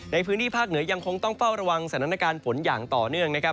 ในพื้นที่ภาคเหนือยังคงต้องเฝ้าระวังสถานการณ์ฝนอย่างต่อเนื่องนะครับ